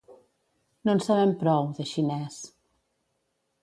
No en sabem prou, de xinès.